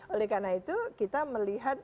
oleh karena itu kita melihat